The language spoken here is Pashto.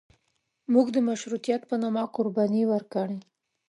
موږ د مشروطیت په نامه قرباني ورکړې.